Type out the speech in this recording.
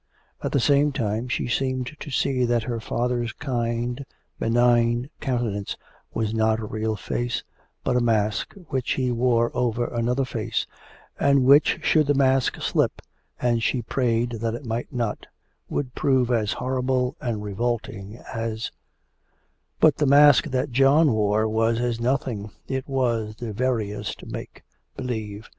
At the same time she seemed to see that her father's kind, benign countenance was not a real face, but a mask which he wore over another face, and which, should the mask slip and she prayed that it might not would prove as horrible and revolting as But the mask that John wore was as nothing it was the veriest make believe.